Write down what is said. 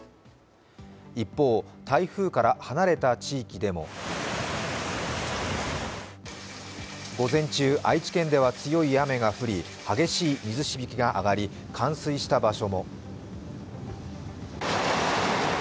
一方、台風から離れた地域でも午前中、愛知県では強い雨が降り、激しい水しぶきが上がり冠水した場所も。